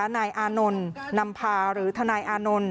นายอานนท์นำพาหรือทนายอานนท์